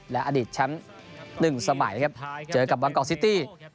และอดีตแชมป์๑สมัยครับเจอกับบางกอกซิตี้